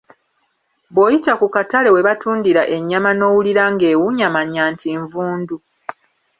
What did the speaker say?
Bw'oyita ku katale we batundira ennyama n'owulira ng'ewunya, manya nti nvundu.